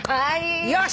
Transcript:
よし！